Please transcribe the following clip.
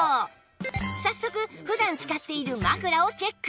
早速普段使っている枕をチェック！